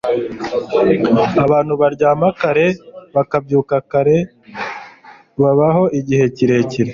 Abantu baryama kare bakabyuka kare babaho igihe kirekire